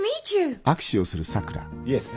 イエス。